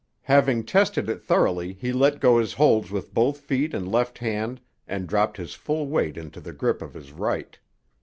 Having tested it thoroughly he let go his holds with both feet and left hand and dropped his full weight into the grip of his right.